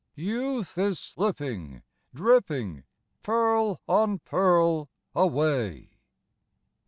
Youth is slipping, dripping, pearl on pearl, away.